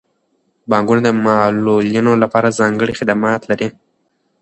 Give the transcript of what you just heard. بانکونه د معلولینو لپاره ځانګړي خدمات لري.